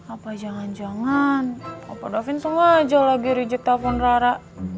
apa jangan jangan papa davin sengaja lagi reject telfon rara